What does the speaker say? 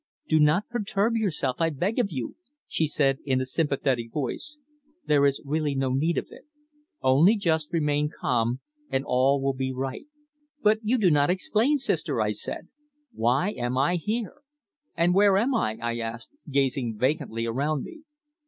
"Do not perturb yourself, I beg of you," she said in a sympathetic voice. "There is really no need for it. Only just remain calm and all will be right." "But you do not explain, Sister," I said. "Why am I here? And where am I?" I asked, gazing vacantly around me.